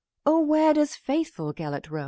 "Oh, where does faithful Gelert roam?